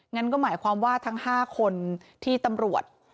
งั้นก็หมายความว่าทั้ง๕คนที่ตำรวจ